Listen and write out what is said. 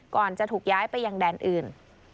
ก่อนจะถูกย้ายไปยังแดนอื่น